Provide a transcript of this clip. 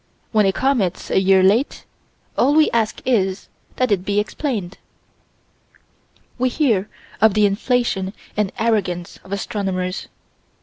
When a comet's a year late, all we ask is that it be explained. We hear of the inflation and arrogance of astronomers.